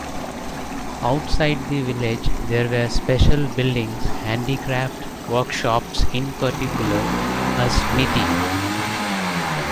Outside the village there were special buildings - handicraft workshops, in particular, a smithy.